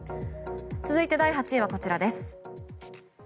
続いて第８位は、こちらです。